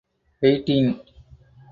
Waiting.